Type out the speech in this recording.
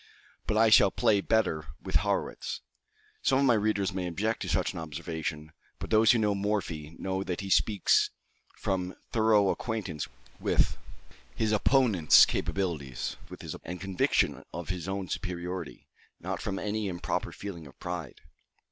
But I shall play better with Harrwitz." Some of my readers may object to such an observation; but those who know Morphy, know that he speaks from thorough acquaintance with his opponents' capabilities, and conviction of his own superiority not from any improper feeling of pride.